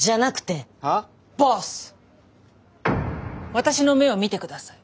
私の目を見て下さい。